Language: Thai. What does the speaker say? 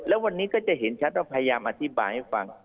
แล้ววันนี้ก็จะเห็นชัดว่าพยายามอธิบายให้ฟัง